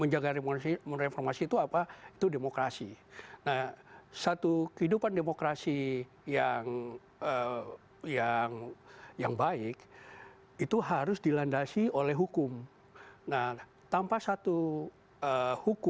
justru ini kayak gini lah